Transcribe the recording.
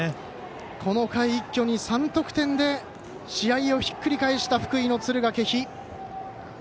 この回一挙に３得点で試合をひっくり返した福井、敦賀気比。